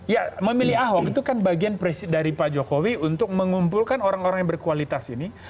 ya memilih ahok itu kan bagian dari pak jokowi untuk mengumpulkan orang orang yang berkualitas ini